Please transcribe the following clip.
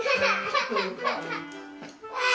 あ！